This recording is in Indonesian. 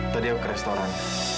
tadi aku ke restoran